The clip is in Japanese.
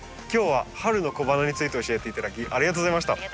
今日は春の小花について教えて頂きありがとうございました。